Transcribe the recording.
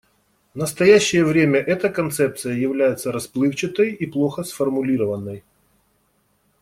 В настоящее время эта концепция является расплывчатой и плохо сформулированной.